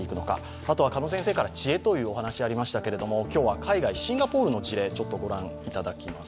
あとは鹿野先生から知恵というお話がありましたが今日は海外、シンガポールの事例を御覧いただきます。